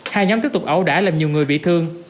hai nhóm tiếp tục ẩu đả làm nhiều người bị thương